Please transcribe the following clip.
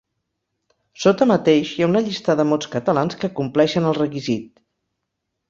Sota mateix hi ha una llista de mots catalans que compleixen el requisit.